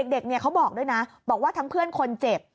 เด็กเขาบอกด้วยนะบอกว่าทั้งเพื่อนคนเจ็บ